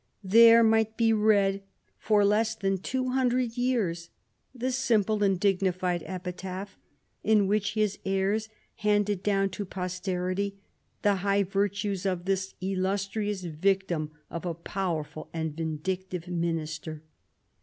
There might be read, for less than two hundred years, the simple and dignified epitaph in which his heirs handed down to posterity the high virtues of " this illustrious victim of a powerful and vindictive Minister."